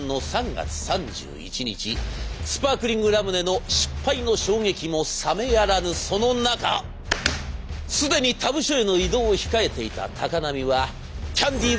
スパークリングラムネの失敗の衝撃も冷めやらぬその中すでに他部署への異動を控えていた高波はキャンディー